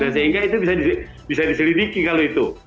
sehingga itu bisa diselidiki kalau itu